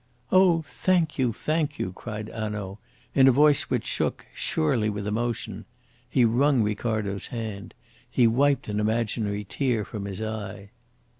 "Oh, thank you! thank you!" cried Hanaud in a voice which shook surely with emotion. He wrung Ricardo's hand. He wiped an imaginary tear from his eye.